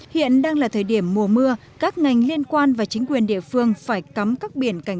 hiện đang là thời điểm mùa mưa các ngành liên quan và chính quyền địa phương phải cắm các biển cảnh